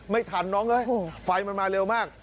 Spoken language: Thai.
ไม่ทันน้องเอ้ยไฟมันมาเร็วมาก